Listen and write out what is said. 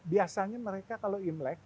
biasanya mereka kalau imlek